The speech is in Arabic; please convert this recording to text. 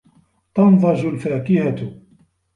تَنْضَجُ الْفَاكِهَةُ.